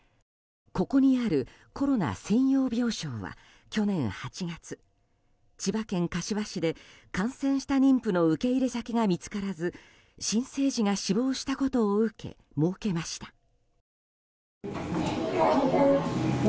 ここにあるコロナ専用病床は去年８月、千葉県柏市で感染した妊婦の受け入れ先が見つからず、新生児が死亡したことを受け設けました。